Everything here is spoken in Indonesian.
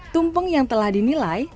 tumpeng yang telah dinilai